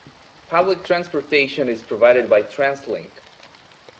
Public transportation is provided by TransLink.